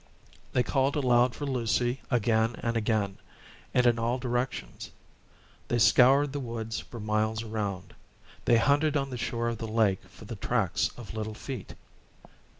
They called aloud for Lucy again and again, and in all directions; they scoured the woods for miles around; they hunted on the shore of the lake for the tracks of little feet.